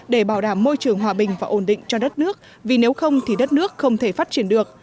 để bảo đảm môi trường hòa bình và ổn định cho đất nước vì nếu không thì đất nước không thể phát triển được